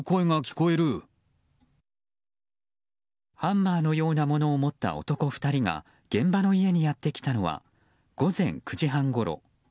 ハンマーのようなものを持った男２人が現場の家にやってきたのは午前９時半ごろ。